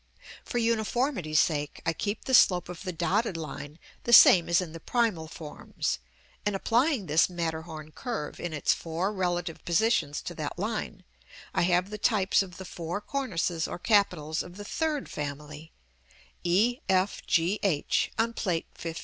For uniformity's sake I keep the slope of the dotted line the same as in the primal forms; and applying this Matterhorn curve in its four relative positions to that line, I have the types of the four cornices or capitals of the third family, e, f, g, h, on Plate XV.